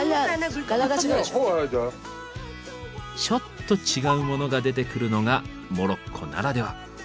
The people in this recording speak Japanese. ちょっと違うモノが出てくるのがモロッコならでは。